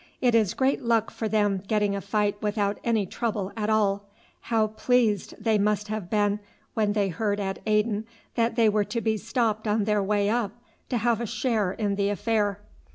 It is great luck for them getting a fight without any trouble at all. How pleased they must have been when they heard at Aden that they were to be stopped on their way up, to have a share in the affair!"